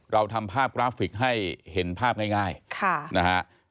เราทำภาพกราฟิกให้เห็นภาพง่ายนะฮะ